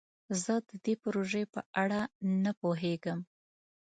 زه د دې پروژې په اړه نه پوهیږم.